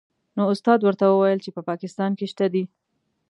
نو استاد ورته وویل چې په پاکستان کې شته دې.